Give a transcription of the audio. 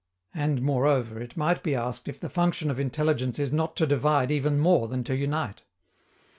And, moreover, it might be asked if the function of intelligence is not to divide even more than to unite.